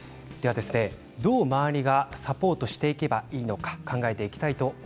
どう周りがサポートしていけばいいのか考えます。